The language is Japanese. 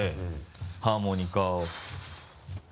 ハーモニカを。